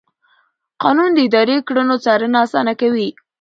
قانون د اداري کړنو څارنه اسانه کوي.